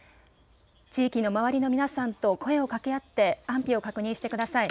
地域の周りの皆さんと声をかけ合って安否を確認してください。